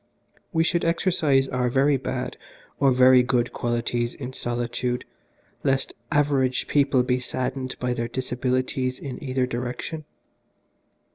We should exercise our very bad or very good qualities in solitude lest average people be saddened by their disabilities in either direction.